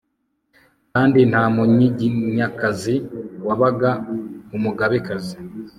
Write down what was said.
kandi nta munyiginyakazi wabaga umugabekazi